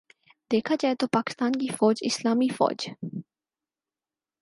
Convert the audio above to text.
دیکھا جائے تو پاکستان کی فوج اسلامی فوج